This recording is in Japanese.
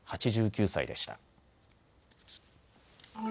８９歳でした。